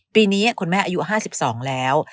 ปีนี้คุณแม่อายุห้าสิบสองแล้ว